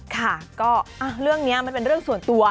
ค่ะก็เรื่องนี้มันเป็นเรื่องส่วนตัว